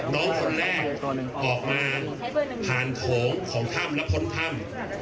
คนแรกออกมาผ่านโถงของถ้ำและพ้นถ้ำ